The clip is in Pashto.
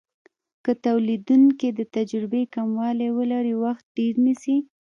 که تولیدونکی د تجربې کموالی ولري وخت ډیر نیسي.